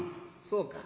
「そうか。